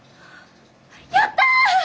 やった！